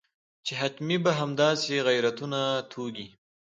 چې حتمي به همداسې غیرتونه توږي.